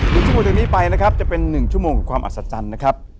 ชั่วโมงจากนี้ไปนะครับจะเป็น๑ชั่วโมงของความอัศจรรย์นะครับ